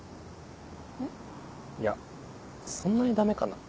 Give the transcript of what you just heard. いやそんなにダメかな？